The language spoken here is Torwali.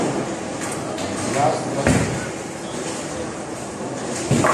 أ گلاس تش تُھو۔